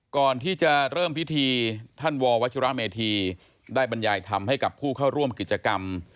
ก่อนที่จะเริ่มพิธีท่านววัชิระเมธีได้บรรยายธรรมให้กับผู้เข้าร่วมกิจกรรม